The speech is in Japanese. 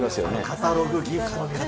カタログギフト。